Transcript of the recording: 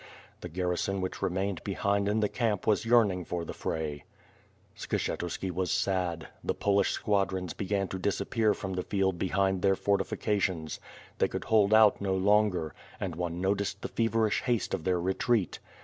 The garrison which remained behind in the camp was yearning for the fray. Skshetuski was sad. The Polish squadrons began to dis appear from the field behind their fortifications. They could hold out no longer, and one noticed the feverish haste of their retreat.